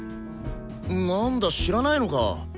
なんだ知らないのか。